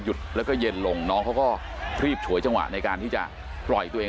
แล้วก็เย็นลงน้องเขาก็รีบฉวยจังหวะในการที่จะปล่อยตัวเอง